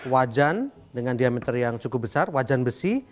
wajan dengan diameter yang cukup besar wajan besi